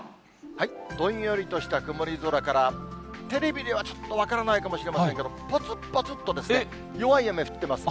どんよりとした曇り空から、テレビではちょっと分からないかもしれませんけど、ぽつぽつっとですね、弱い雨降っています。